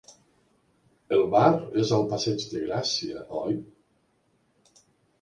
El bar és al Passeig de Gràcia, oi?